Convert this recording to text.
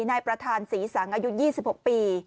นายประธานศรีสังอายุ๒๖ปี